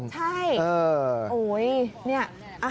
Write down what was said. ใช่